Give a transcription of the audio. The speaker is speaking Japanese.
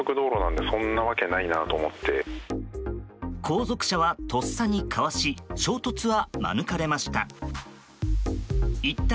後続車は、とっさにかわし衝突は免れました。